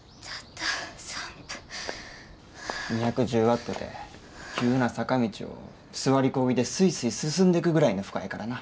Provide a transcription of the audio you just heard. ２１０ワットて急な坂道を座りこぎでスイスイ進んでくぐらいの負荷やからな。